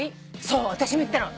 そう私も言ったの。